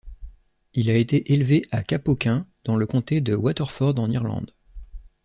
Il a été élevé à Cappoquin, dans le comté de Waterford, en Irlande.